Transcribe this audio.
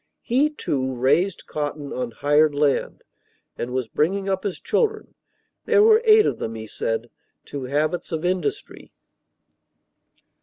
He, too, raised cotton on hired land, and was bringing up his children there were eight of them, he said to habits of industry.